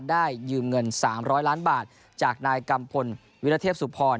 ได้ยืมเงิน๓๐๐ล้านบาทจากนายกรรมพลวิทยาเทพศุพร